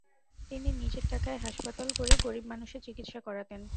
তিনি নিজের টাকায় হাসপাতাল গড়ে গরীব মানুষের চিকিৎসা করাতেন।